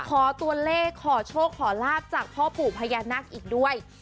ขอตัวเลขขอโชคขอลาบจากพ่อปู่พญานาคอีกด้วย